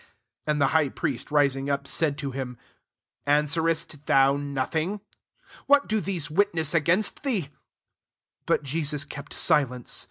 *" 62 And the high priest, rising up, said to him, •*Answerest thou nothing? what do these witness against thee l^ 63 But Jesus kept silence.